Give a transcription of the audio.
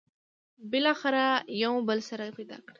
بالاخره مو یو بل سره پيدا کړل.